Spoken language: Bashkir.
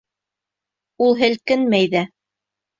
Ул һелкенмәй ҙә.